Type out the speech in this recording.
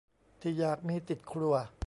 ที่อยากมีติดครัว